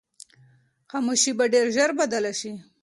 خاموشي به ډېر ژر بدله شي.